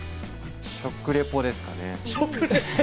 食レポですかね。